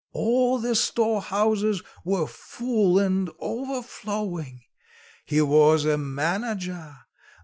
All the storehouses were full and overflowing. He was a manager.